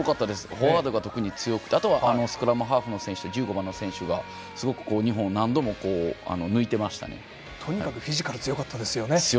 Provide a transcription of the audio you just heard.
フォワードが特に強くてあとは、スクラムハーフの選手１５番の選手がすごく日本を何度もとにかくフィジカルが強かったですよね。